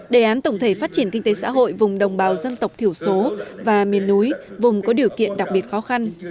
đề án tổng thể phát triển kinh tế xã hội vùng đồng bào dân tộc thiểu số và miền núi vùng có điều kiện đặc biệt khó khăn